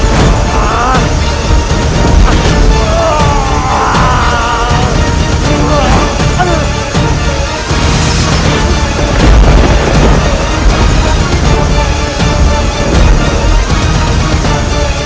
menjadi api yang balas